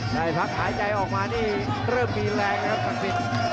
พักหายใจออกมานี่เริ่มมีแรงนะครับศักดิ์สิทธิ์